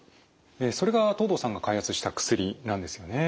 それが藤堂さんが開発した薬なんですよね。